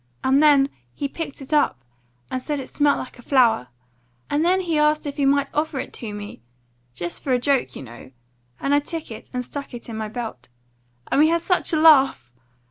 And then he picked it up, and said it smelt like a flower. And then he asked if he might offer it to me just for a joke, you know. And I took it, and stuck it in my belt. And we had such a laugh!